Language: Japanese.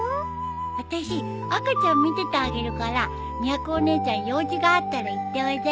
あたし赤ちゃん見ててあげるからみやこお姉ちゃん用事があったら行っておいで。